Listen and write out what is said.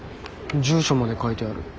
住所まで書いてある。